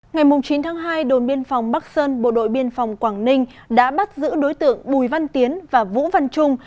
ngày chín tháng hai đồn biên phòng bắc sơn bộ đội biên phòng quảng ninh đã bắt giữ đối tượng bùi văn tiến và vũ văn trung